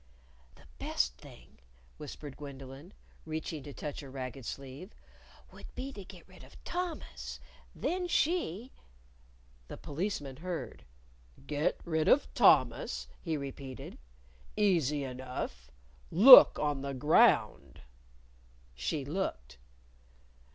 "The best thing," whispered Gwendolyn, reaching to touch a ragged sleeve, "would be to get rid of Thomas. Then she " The Policeman heard. "Get rid of Thomas?" he repeated. "Easy enough. Look on the ground." She looked.